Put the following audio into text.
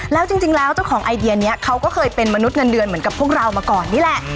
แล้วจริงแล้วเจ้าของไอเดียนี้เขาก็เคยเป็นมนุษย์เงินเดือนเหมือนกับพวกเรามาก่อนนี่แหละ